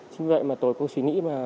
chính vì vậy mà tôi cũng suy nghĩ là